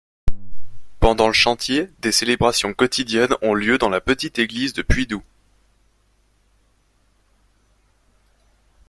Pendant le chantier, des célébrations quotidiennes ont lieu dans la petite église de Puidoux.